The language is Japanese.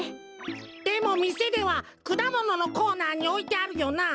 でもみせではくだもののコーナーにおいてあるよな？